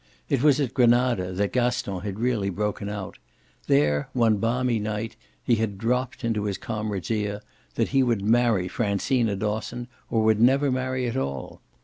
It was at Granada that Gaston had really broken out; there, one balmy night, he had dropped into his comrade's ear that he would marry Francina Dosson or would never marry at all.